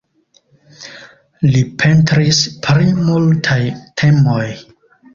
Li pentris pri multaj temoj.